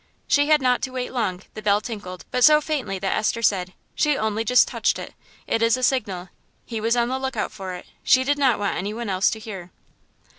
She had not to wait long; the bell tinkled, but so faintly that Esther said, "She only just touched it; it is a signal; he was on the look out for it; she did not want anyone else to hear."